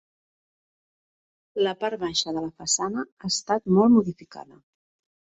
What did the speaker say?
La part baixa de la façana ha estat molt modificada.